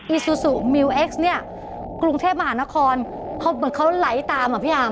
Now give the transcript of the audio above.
อซูซูมิวเอ็กซ์เนี่ยกรุงเทพมหานครเขาเหมือนเขาไหลตามอ่ะพี่อาร์